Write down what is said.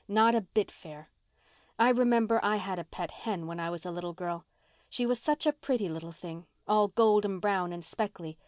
"Not a bit fair. I remember I had a pet hen when I was a little girl. She was such a pretty little thing—all golden brown and speckly.